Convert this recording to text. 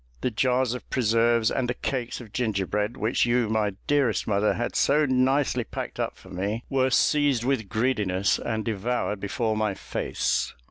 The jars of preserves and the cakes of gingerbread which you, my dearest mother, had so nicely packed up for me, were seized with greediness, and devoured before my face.